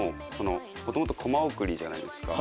もともとコマ送りじゃないですか。